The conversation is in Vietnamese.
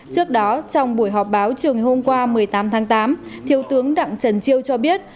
trước đó trong buổi họp báo trường hôm qua một mươi tám tháng tám thiếu tướng đặng trần chiêu cho biết